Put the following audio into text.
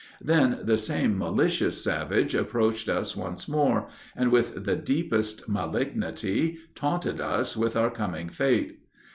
Then the same malicious savage approached us once more, and, with the deepest malignity, taunted us with our coming fate.